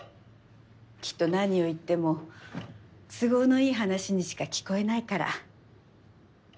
きっと何を言っても都合のいい話にしか聞こえないから。